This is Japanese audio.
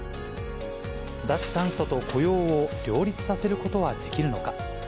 脱炭素と雇用を両立させることはできるのか。